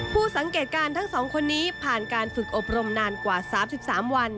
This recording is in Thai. ผู้สังเกตการณ์ทั้งสองคนนี้ผ่านการฝึกอบรมนานกว่า๓๓วัน